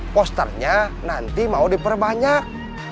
posternya nanti mau diperbanyak